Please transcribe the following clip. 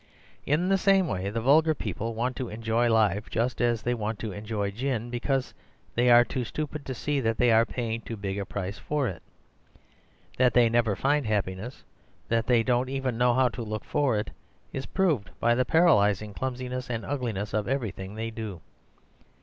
IN the same way the vulgar people want to enjoy life just as they want to enjoy gin—because they are too stupid to see that they are paying too big a price for it. That they never find happiness—that they don't even know how to look for it—is proved by the paralyzing clumsiness and ugliness of everything they do.